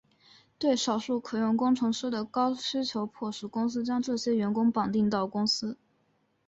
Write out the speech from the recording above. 对少数可用工程师的高需求迫使公司将这些员工绑定到公司。